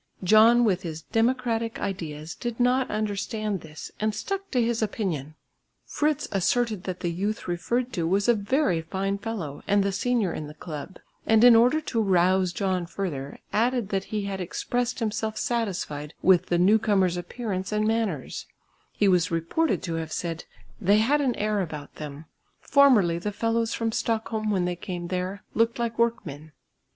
John with his democratic ideas did not understand this and stuck to his opinion. Fritz asserted that the youth referred to was a very fine fellow and the senior in the club, and in order to rouse John further, added that he had expressed himself satisfied with the newcomers' appearance and manners; he was reported to have said "they had an air about them; formerly the fellows from Stockholm when they came there, looked like workmen."